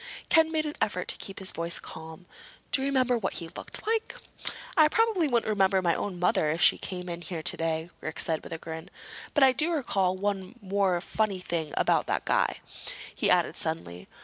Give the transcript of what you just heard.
Ken made an effort to keep his voice calm. "Do you remember what he looked like?" "I probably wouldn't remember my own mother if she came in here today," Rick said with a grin. "But I do recall one more funny thing about that guy," he added suddenly.